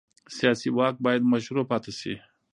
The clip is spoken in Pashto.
سیاسي واک باید مشروع پاتې شي